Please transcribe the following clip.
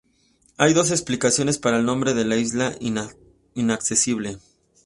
Hay dos explicaciones para el nombre de isla Inaccesible.